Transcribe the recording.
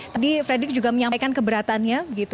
tadi fredrik juga menyampaikan keberatannya